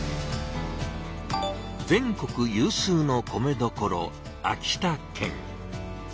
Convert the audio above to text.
全国有数の米どころ秋田県。